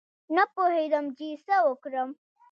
نه پوهېدم چې څه وکړم.